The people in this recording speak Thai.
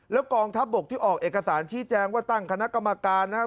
แล้วกองทัพบกที่ออกเอกสารชี้แจงว่าตั้งคณะกรรมการนะครับ